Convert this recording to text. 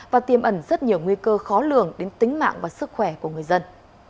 và tiêm ẩn rất nhiều nguy cơ khó lường đến tính mạng và sức khỏe của người dân